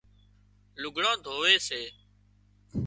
لگھڙان ڌووي سي